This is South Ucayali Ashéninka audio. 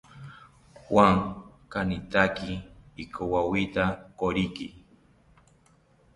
Juan kanitaki ikowawita koriki